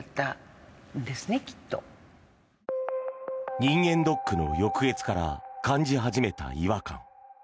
人間ドックの翌月から感じ始めた違和感。